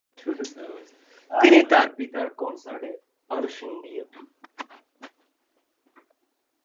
তিনি তার পিতার কনসার্টে অনুষঙ্গীও।